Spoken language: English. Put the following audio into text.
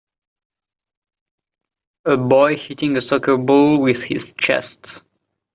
A boy hitting a soccer ball with his chest.